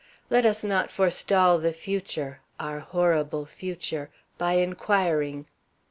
Let us not forestall the future, our horrible future, by inquiring.